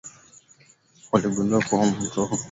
waligundua kuwa mto huo ulikuwa unatoa maji Amerika